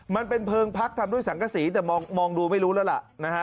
มันเป็นเพลิงพักทำด้วยสังกษีแต่มองดูไม่รู้แล้วล่ะนะฮะ